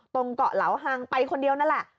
ตรงเกาะเหลาฮังไปคนเดียวนั่นแหละ